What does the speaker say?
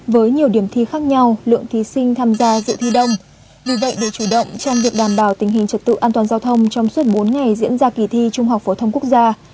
với nhiều điểm thi khác nhau lượng thí sinh tham gia dự thi đông vì vậy để chủ động trong việc đảm bảo tình hình trật tự an toàn giao thông trong suốt bốn ngày diễn ra kỳ thi trung học phổ thông quốc gia